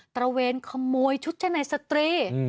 ระเวนขโมยชุดชะในสตรี